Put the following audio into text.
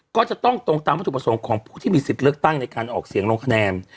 ก็ต้องตรงตามวัตถุประสงค์ของผู้ถจเลือกตั้งการออกเสียงลงคะแนน